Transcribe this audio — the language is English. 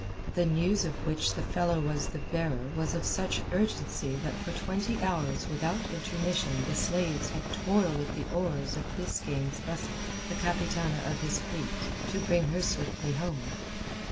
The news of which the fellow was the bearer was of such urgency that for twenty hours without intermission the slaves had toiled at the oars of Biskaine's vessel—the capitana of his fleet—to bring her swiftly home.